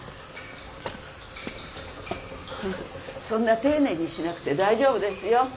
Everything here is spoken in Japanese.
そんな丁寧にしなくて大丈夫ですよ。